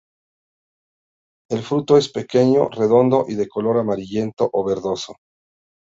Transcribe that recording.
El fruto es pequeño, redondo y de color amarillento o verdoso.